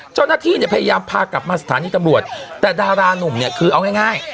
เจ้าหน้าที่เนี่ยพยายามพากลับมาสถานีตำรวจแต่ดารานุ่มเนี่ยคือเอาง่าย